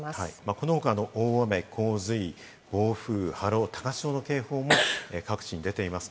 この他、大雨洪水暴風波浪高潮の警報も各地に出ています。